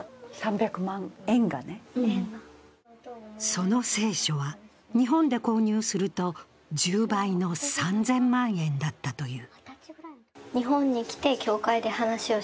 その聖書は日本で購入すると１０倍の３０００万円だったという。